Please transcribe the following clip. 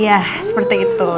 iya seperti itu